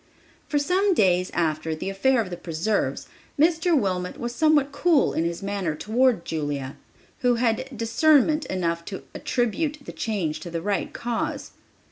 For some days after the affair of the preserves, Mr. Wilmot was somewhat cool in his manner toward Julia, who had discernment enough to attribute the change to the right cause.